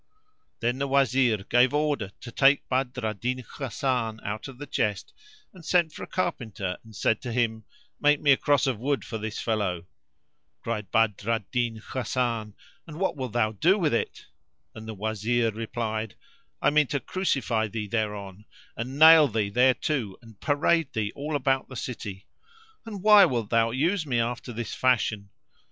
[FN#477] Then the Wazir gave order to take Badr al Din Hasan out of the chest and sent for a carpenter and said to him, "Make me a cross of wood [FN#478] for this fellow!" Cried Badr al Din Hasan "And what wilt thou do with it?"; and the Wazir replied, "I mean to crucify thee thereon, and nail thee thereto and parade thee all about the city." "And why wilt thou use me after this fashion?"